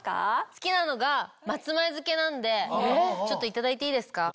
好きなのが松前漬けなんでちょっといただいていいですか？